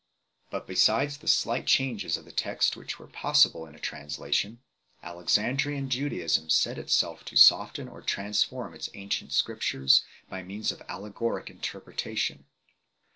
But besides the slight changes of the text which were possible in a translation, Alexandrian Judaism set itself to soften or transform its ancient Scriptures by means of allegoric interpretation.